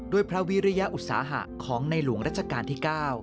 พระวิริยอุตสาหะของในหลวงรัชกาลที่๙